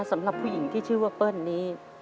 สำหรับผู้หญิงที่ชื่อว่าเปิ้ลนี้